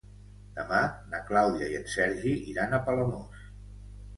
Demà na Clàudia i en Sergi iran a Palamós.